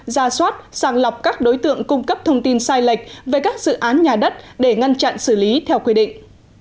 ra soát sàng lọc các đối tượng cung cấp thông tin sai lệch về các dự án nhà đất để ngăn chặn xử lý theo quy định